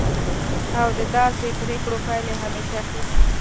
او د داسې پریکړو پایلې همیشه ښې نه وي.